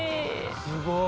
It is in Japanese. すごい。